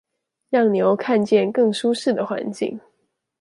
讓牛看見更舒適的環境